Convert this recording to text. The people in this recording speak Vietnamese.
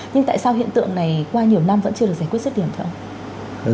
nhưng tại sao hiện tượng này qua nhiều năm vẫn chưa được giải quyết xuất điểm thế ạ